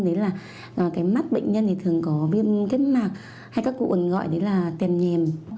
đấy là cái mắt bệnh nhân thì thường có viêm kết mạc hay các cụ ẩn gọi đấy là tiềm nhềm